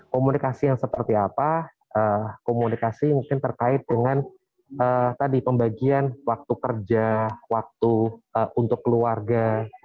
komunikasi yang seperti apa komunikasi mungkin terkait dengan tadi pembagian waktu kerja waktu untuk keluarga